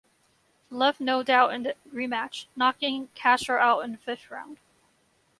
He left no doubt in the rematch, knocking Castro out in the fifth round.